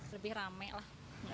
lebih rame lah